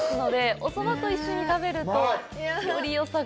お蕎麦と一緒に食べるとより、よさが。